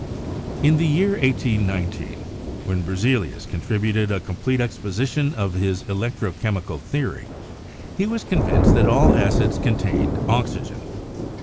In the year 1819, when Berzelius contributed a complete exposition of his electro chemical theory, he was con vinced that all acids contained oxygen.